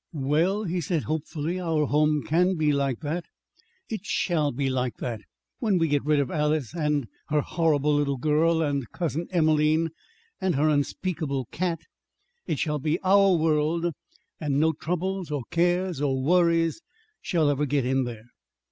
"Well," he said hopefully, "our home can be like that. It shall be like that, when we get rid of Alys and her horrible little girl, and Cousin Emelene and her unspeakable cat. It shall be our world; and no troubles or cares or worries shall ever get in there!"